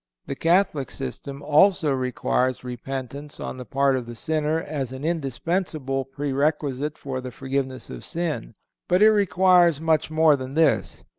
The Catholic system also requires repentance on the part of the sinner as an indispensable prerequisite for the forgiveness of sin. But it requires much more than this.